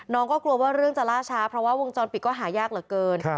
น้องก็กลัวว่าเรื่องจะล่าช้าเพราะว่าวงจรปิดก็หายากเหลือเกิน